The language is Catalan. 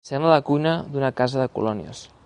Sembla la cuina d'una casa de colònies.